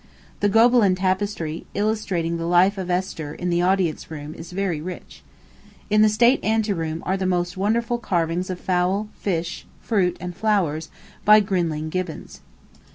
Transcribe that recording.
The Gobelin tapestry, illustrating the life of Esther, in the Audience Room, is very rich. In the State Ante Room are the most wonderful carvings of fowl, fish, fruit, and flowers, by Grinling Gibbons.